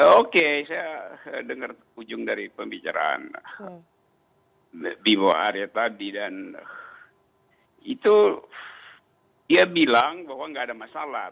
oke saya dengar ujung dari pembicaraan bimo arya tadi dan itu dia bilang bahwa nggak ada masalah